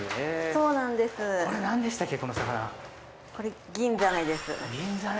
そうなんですね。